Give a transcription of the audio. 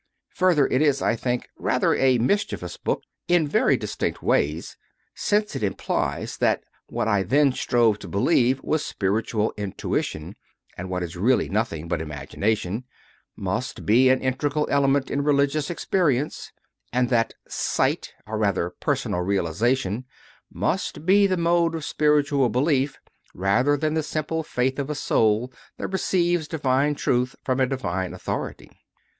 Further, it is, I think, rather a mischievous book in very dis tinct ways, since it implies that what I then strove to believe was spiritual intuition and what is really nothing but imagination must be an inte gral element in religious experience; and that "sight" or rather personal realization must be the mode of spiritual belief rather than the simple faith of a soul that receives divine truth from a divine authority.